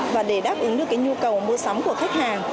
và để đáp ứng được cái nhu cầu mua sắm của khách hàng